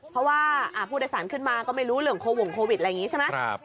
เพราะว่าผู้โดยสารขึ้นมาก็ไม่รู้เรื่องโควงโควิดอะไรอย่างนี้ใช่ไหม